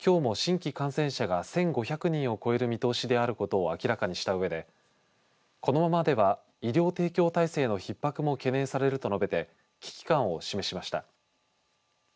県内で新型コロナウイルスの感染が急拡大する中塩田知事は、きょうも新規感染者が１５００人を超える見通しであることを明らかにしたうえでこのままでは医療提供体制のひっ迫も懸念されると述べて危機感を示しました。